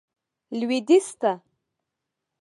لوېدیځ ته.